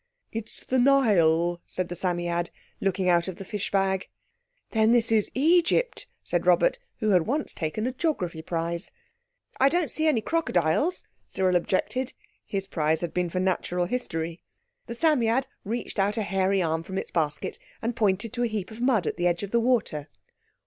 "It's the Nile," said the Psammead, looking out of the fish bag. "Then this is Egypt," said Robert, who had once taken a geography prize. "I don't see any crocodiles," Cyril objected. His prize had been for natural history. The Psammead reached out a hairy arm from its basket and pointed to a heap of mud at the edge of the water.